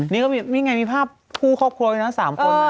นี่ก็มีไงมีภาพผู้ครอบครัวเองนะสามคน